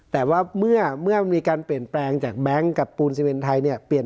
แต่ว่าเมื่อมีการเปลี่ยนแปลงจากแบงค์กับปูนซีเมนไทยเนี่ย